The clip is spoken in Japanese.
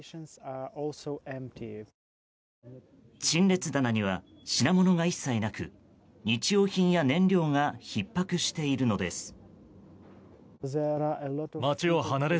陳列棚には品物が一切なく日用品や燃料がひっ迫しているのです。